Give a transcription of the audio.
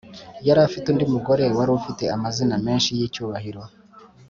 yari afite undi mugore wari ufite amazina menshi y’icyubahiro.